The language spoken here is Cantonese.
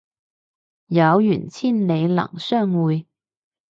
有緣千里能相會